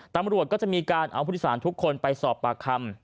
ตำรวจก็จะมีการเอาพุทธศาลทุกคนไปสอบประคำ